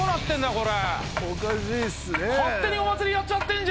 これ。